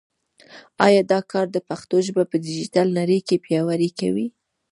دا کار د پښتو ژبه په ډیجیټل نړۍ کې پیاوړې کوي.